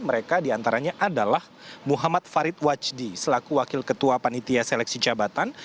mereka diantaranya adalah muhammad farid wajdi selaku wakil ketua panitia seleksi jabatan